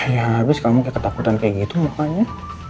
ya abis kamu ketakutan kayak gitu makanya